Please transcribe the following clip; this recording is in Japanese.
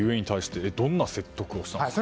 どんな説得をしたんですか。